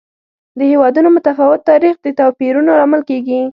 د هېوادونو متفاوت تاریخ د توپیرونو لامل کېږي.